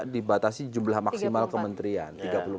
dibatasi jumlah maksimal kementerian